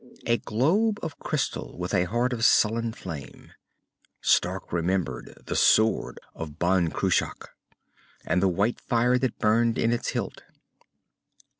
A globe of crystal, with a heart of sullen flame. Stark remembered the sword of Ban Cruach, and the white fire that burned in its hilt.